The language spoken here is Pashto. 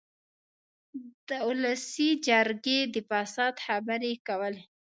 د اولسي جرګې د فساد خبرې کولې.